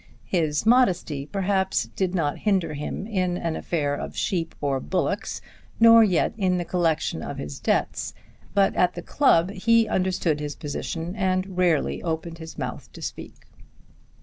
His modesty, perhaps, did not hinder him in an affair of sheep or bullocks, nor yet in the collection of his debts; but at the club he understood his position, and rarely opened his mouth to speak.